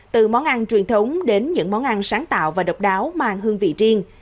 từ món ăn truyền thống đến những món ăn sáng tạo và độc đáo mang hương vị riêng